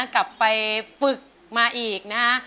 กลับไปฝึกมาอีกนะฮะ